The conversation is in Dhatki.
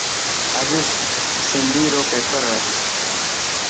اڄ سنڌي رو پيپر هي.